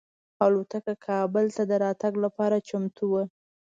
الوتکه کابل ته د راتګ لپاره چمتو وه.